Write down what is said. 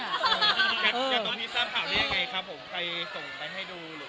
แต่ตอนนี้ทราบข่าวได้ยังไงครับใครส่งไปให้ดู